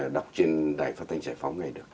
đọc trên đài phát thanh giải phóng ngay được